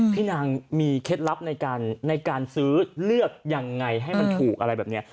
พี่นางมีเคล็ดลับในการซื้อเลือกยังไงให้มันถูกอะไรแบบนี้